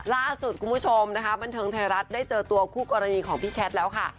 ล่าสุดคุณผู้ชมนะคะบันเทิงไทยรัฐได้เจอตัวคู่กรณีของพี่แคทแล้วค่ะ